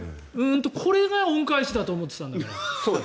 これが恩返しだと思ってたんだから。